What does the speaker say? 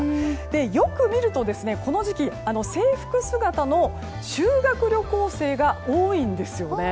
よく見ると、この時期制服姿の修学旅行生が多いんですよね。